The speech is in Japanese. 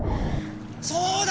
そうだ！